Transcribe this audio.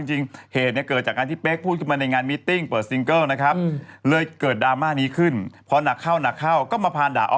เราจะพูดกับว่าทุกวันนี้